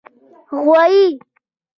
🐂 غوایی